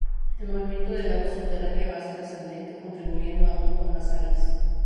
El movimiento del agua subterránea va a ser ascendente, contribuyendo aún con más sales.